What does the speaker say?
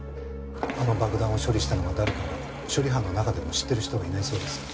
あの爆弾を処理したのが誰かは処理班の中でも知ってる人はいないそうです。